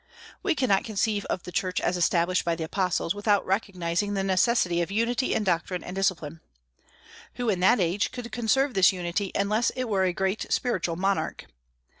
We cannot conceive of the Church as established by the apostles, without recognizing the necessity of unity in doctrines and discipline. Who in that age could conserve this unity unless it were a great spiritual monarch?